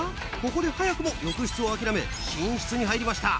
ここで早くも浴室を諦め寝室に入りました。